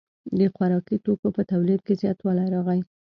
د خوراکي توکو په تولید کې زیاتوالی راغی.